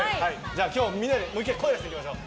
今日もみんなで声、出していきましょう。